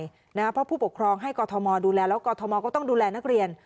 เพราะผู้ปกครองให้กรทมดูแลแล้วกรทมก็ต้องดูแลนักเรียน